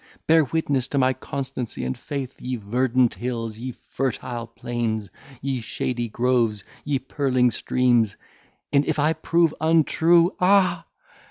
Bear witness to my constancy and faith, ye verdant hills, ye fertile plains, ye shady groves, ye purling streams; and if I prove untrue, ah!